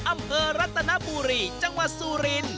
อำเภอรัตนบุรีจังหวัดสุริน